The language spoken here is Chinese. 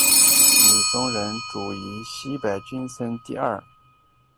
李宗仁遂以西北军孙连仲第二十六路军在徐州以北的台儿庄与日军反复争夺。